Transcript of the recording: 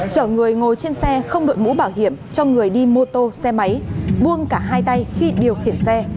chở người ngồi trên xe không đội mũ bảo hiểm cho người đi mô tô xe máy buông cả hai tay khi điều khiển xe